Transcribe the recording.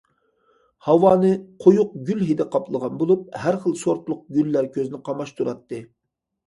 ھاۋانى قويۇق گۈل ھىدى قاپلىغان بولۇپ، ھەر خىل سورتلۇق گۈللەر كۆزنى قاماشتۇراتتى.